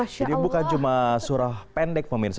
jadi bukan cuma surah pendek pemirsa